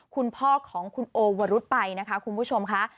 คุณพ่อของคุณโอวรุษไปนะคะคุณผู้ชมค่ะ